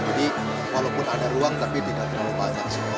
jadi walaupun ada ruang tapi tidak terlalu banyak